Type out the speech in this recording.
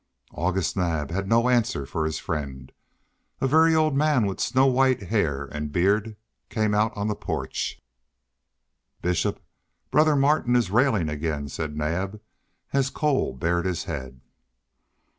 August Naab had no answer for his friend. A very old man with snow white hair and beard came out on the porch. "Bishop, brother Martin is railing again," said Naab, as Cole bared his head.